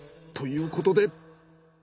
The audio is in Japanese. ということで。